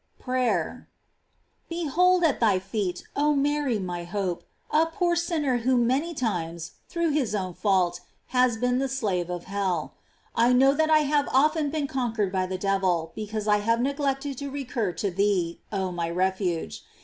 * PRAYER. Behold at thy feet, oh Mary my hope, a poor sinner who many times, through his own fault, has been the slave of hell. I know that I have often been conquered by the devil, because I have neglected to recur to thee, oh my refuge.